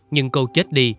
nhưng cô chết đi